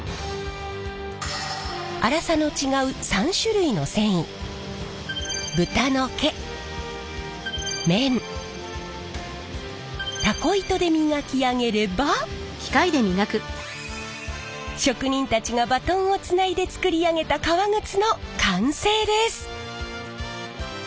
粗さの違う３種類の繊維豚の毛綿タコ糸で磨き上げれば職人たちがバトンをつないで作り上げた革靴の完成です。